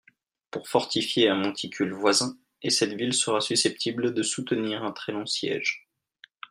pour fortifier un monticule voisin, et cette ville sera susceptible de soutenir un très-long siège.